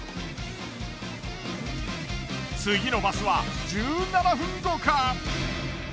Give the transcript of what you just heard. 次のバスは１７分後か。